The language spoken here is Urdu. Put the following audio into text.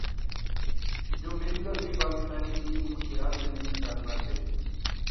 جو مل کر بھی پاکستانی ٹیم کو مشکلات سے نہیں نکال پاتے